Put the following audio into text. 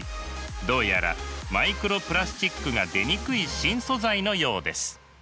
どうやらマイクロプラスチックが出にくい新素材のようです。